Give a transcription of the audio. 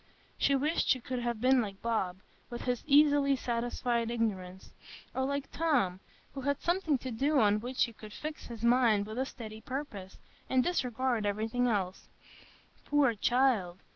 She wished she could have been like Bob, with his easily satisfied ignorance, or like Tom, who had something to do on which he could fix his mind with a steady purpose, and disregard everything else. Poor child!